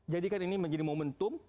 jadikan ini menjadi momentum